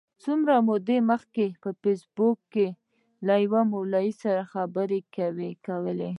څه موده مخکي مي په فېسبوک کي له یوه مولوي سره خبري کولې.